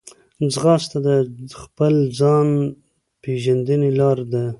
ځغاسته د خپل ځان پېژندنې لار ده